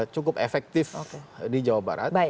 cukup efektif di jawa barat